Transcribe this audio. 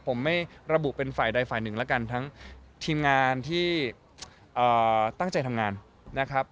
ผมไม่ระบุเป็นฝ่ายใดฝ่ายหนึ่งแล้วกันทั้งทีมงานที่ตั้งใจทำงานนะครับ